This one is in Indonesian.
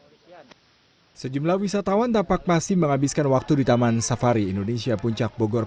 hai sejumlah wisatawan tapak masih menghabiskan waktu di taman safari indonesia puncak bogor